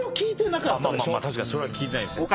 確かにそれは聞いてないですね。